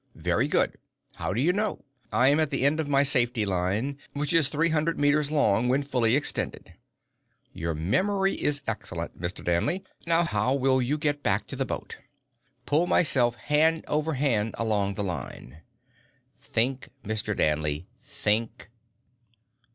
"Very good. How do you know?" "I am at the end of my safety line, which is three hundred meters long when fully extended." "Your memory is excellent, Mr. Danley. Now, how will you get back to the boat?" "Pull myself hand over hand along the line." "Think, Mr. Danley! _Think!